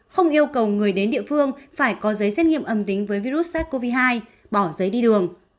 không yêu cầu người đến địa phương phải có giấy xét nghiệm âm tính với virus sars cov hai bỏ giấy đi đường